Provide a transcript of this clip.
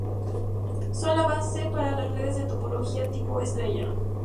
Son la base para las redes de topología tipo estrella.